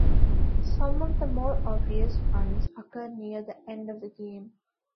Some of the more obvious ones occur near the end of the game.